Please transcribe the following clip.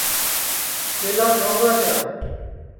کیلا کھاؤں گا کِیا